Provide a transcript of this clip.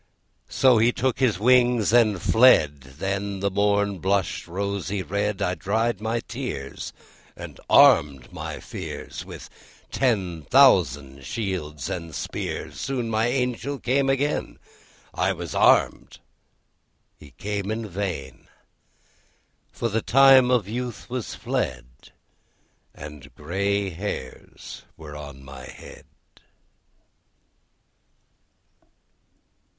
So he took his wings, and fled; Then the morn blushed rosy red. I dried my tears, and armed my fears With ten thousand shields and spears. Soon my Angel came again; I was armed, he came in vain; For the time of youth was fled, And grey hairs were on my head.